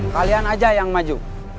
kalian aja yang maju